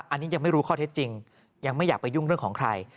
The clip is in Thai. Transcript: อันนี้ยังไม่รู้ข้อเท็จจริงยังไม่อยากไปยุ่งเรื่องของใคร